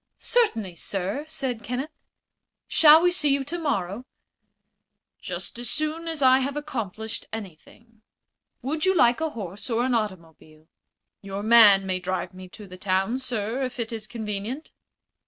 "Certainly, sir," said Kenneth. "Shall we see you tomorrow?" "Just as soon as I have accomplished anything." "Would you like a horse or an automobile?" "Your man may drive me to the town, sir, if it is convenient."